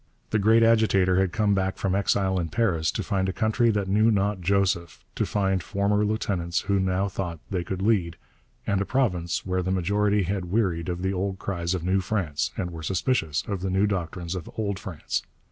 The great agitator had come back from exile in Paris to find a country that knew not Joseph, to find former lieutenants who now thought they could lead, and a province where the majority had wearied of the old cries of New France and were suspicious of the new doctrines of Old France.